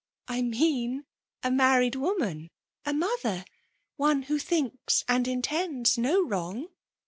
'*'*" I mean« a married 'voniani ^ motheri'—. Me who thinks and intends no wrong.